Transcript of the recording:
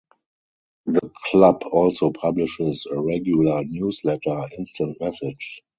The club also publishes a regular newsletter, "Instant Message".